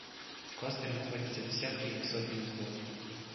В кластере находятся десятки или сотни узлов